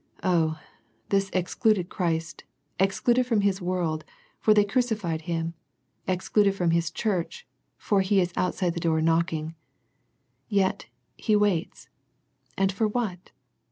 Oh, this excluded Christ, excluded from His world, for they crucified Him; excluded from His church, for He is outside the door knocking. Yet He waits, and for what?